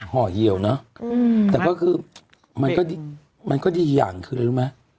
เหาะเหี่ยวเนอะแต่ก็คือมันก็ดีอย่างคือรู้มั้ย